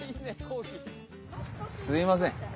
すみません。